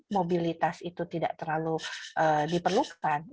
mobilitas itu tidak terlalu diperlukan